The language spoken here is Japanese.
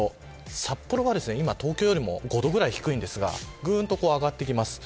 札幌は今、東京よりも５度ぐらい低いのですがこれからぐんと上がってきます。